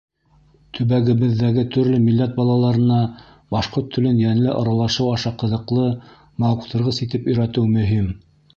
Төбәгебеҙҙәге төрлө милләт балаларына башҡорт телен йәнле аралашыу аша ҡыҙыҡлы, мауыҡтырғыс итеп өйрәтеү мөһим.